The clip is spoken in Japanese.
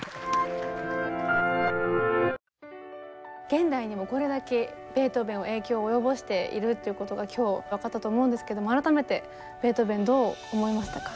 現代にもこれだけベートーベンは影響を及ぼしているということが今日分かったと思うんですけども改めてベートーベンどう思いましたか？